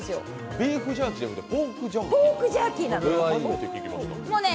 ビーフジャーキーじゃなくてポークジャーキーなんですね。